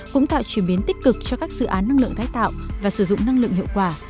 cũng tạo chuyển biến tích cực cho các dự án năng lượng tái tạo và sử dụng năng lượng hiệu quả